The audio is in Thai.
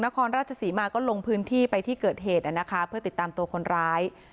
นครราชศรีมาก็ลงพื้นที่ไปที่เกิดเหตุนะคะเพื่อติดตามตัวคนร้าย